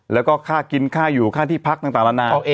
แล้วก็ค่ากินค่าอยู่ค่าที่พักต่างนานา